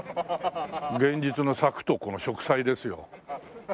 現実の柵とこの植栽ですよ。